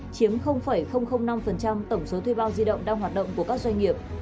chiếm năm tổng số thuê bao di động đang hoạt động của các doanh nghiệp